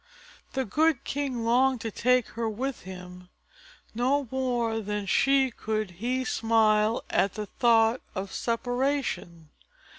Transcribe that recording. The good king longed to take her with him; no more than she could he smile at the thought of separation.